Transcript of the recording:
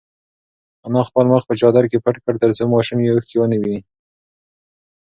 انا خپل مخ په چادر کې پټ کړ ترڅو ماشوم یې اوښکې ونه ویني.